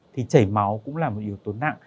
thì chảy máu cũng là một yếu tố nặng